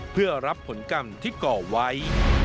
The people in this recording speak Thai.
เพื่อรับผลกรรมที่ก่อไว้